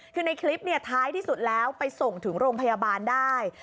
คือในคลิปท้ายที่สุดแล้วไปส่งถึงโรงพยาบาลได้